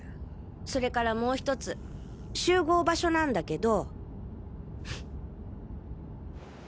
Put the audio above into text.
それからもうひとつ集合場所なんだけど。